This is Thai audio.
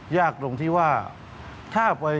ยากตรงที่ว่าถ้าไป